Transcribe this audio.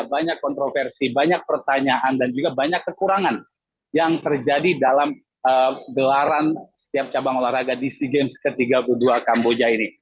banyak kontroversi banyak pertanyaan dan juga banyak kekurangan yang terjadi dalam gelaran setiap cabang olahraga di sea games ke tiga puluh dua kamboja ini